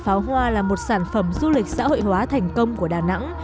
lễ hội pháo hoa là một sản phẩm du lịch xã hội hóa thành công của đà nẵng